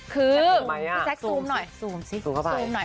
คือพี่แซคซูมหน่อยซูมสิซูมเข้าไป